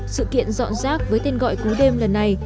sự kiện dọn rác với tên gọi cú đêm lần này